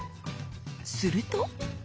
すると。